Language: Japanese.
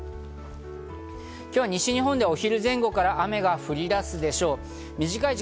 今日は西日本でお昼前後から雨が降り出すでしょう。